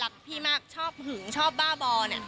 รักพี่มากชอบหึงชอบบ้าบอ